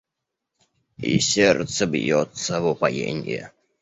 И сердце бьется в упоенье